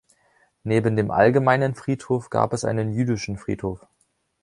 Neben dem allgemeinen Friedhof gab es einen jüdischen Friedhof.